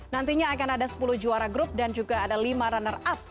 nantinya akan ada sepuluh juara grup dan juga ada lima runner up